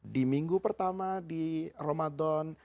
di minggu pertama di ramadan